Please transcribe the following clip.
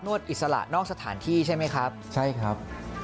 สวัสดีครับ